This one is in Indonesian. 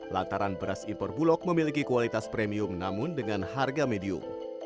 lantaran beras impor bulog memiliki kualitas premium namun dengan harga medium